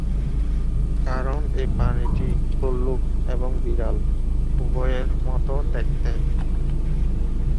কারণ এ প্রাণীটি ভল্লুক এবং বিড়াল- উভয়ের মত দেখতে।